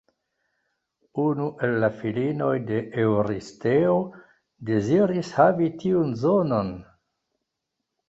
Unu el la filinoj de Eŭristeo deziris havi tiun zonon.